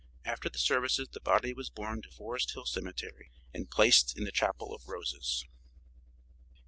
After the services the body was borne to Forest Hill Cemetery and placed in the Chapel of Roses.